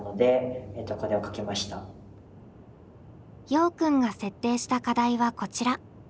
ようくんが設定した課題はこちら。